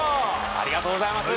ありがとうございます！